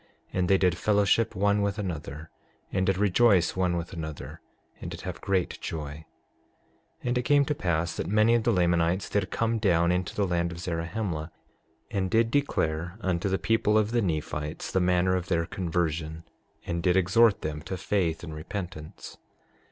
And they did fellowship one with another and did rejoice one with another, and did have great joy. 6:4 And it came to pass that many of the Lamanites did come down into the land of Zarahemla, and did declare unto the people of the Nephites the manner of their conversion, and did exhort them to faith and repentance.